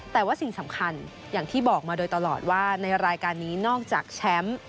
แต่ว่าสิ่งสำคัญอย่างที่บอกมาโดยตลอดว่าในรายการนี้นอกจากแชมป์